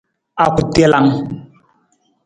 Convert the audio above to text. Akutelang.